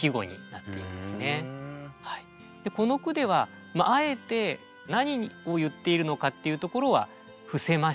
この句ではあえて何を言っているのかっていうところは伏せまして。